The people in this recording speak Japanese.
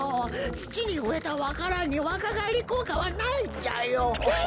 つちにうえたわか蘭にわかがえりこうかはないんじゃよ。え！？